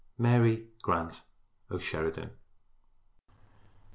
Mary Grant O'Sheridan.